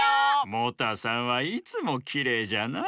モタさんはいつもきれいじゃな。